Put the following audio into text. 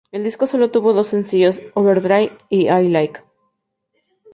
El disco sólo tuvo dos sencillos, "Overdrive" y "I Like".